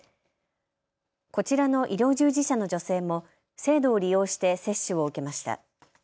こちらの医療従事者の女性も制度を利用して接種を受けました。